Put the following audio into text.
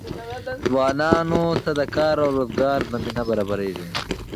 ځوانانو ته د کار او روزګار زمینه برابریږي.